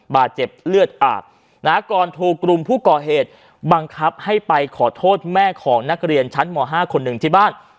บาดเจ็บเลือดอาบนะก่อนถูกกลุ่มผู้ก่อเหตุบังคับให้ไปขอโทษแม่ของนักเรียนชั้นม๕คนหนึ่งที่บ้าน